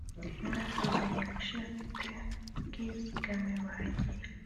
umwaka uzajya gushira mfite ubwizigame buhagije